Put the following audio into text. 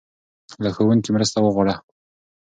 له ښوونکي مرسته وغواړه.